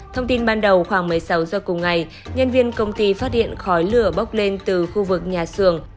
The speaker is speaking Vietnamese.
thông tin ban đầu khoảng một mươi sáu giờ cùng ngày nhân viên công ty phát điện khói lửa bốc lên từ khu vực nhà xưởng